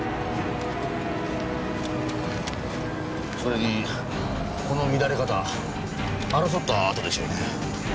それにこの乱れ方争った跡でしょうね。